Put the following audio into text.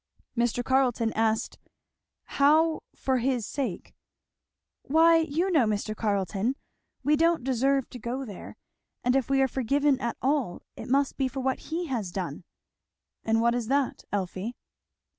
Mr. Carleton asked, "How_for his sake_?" "Why you know, Mr. Carleton, we don't deserve to go there, and if we are forgiven at all it must be for what he has done." "And what is that, Elfie?"